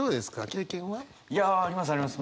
経験は？いやありますあります。